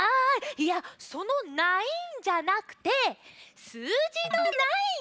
いやその「ないん」じゃなくてすうじの「９」。